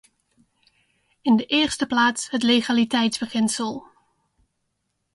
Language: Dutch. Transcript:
In de eerste plaats het legaliteitsbeginsel.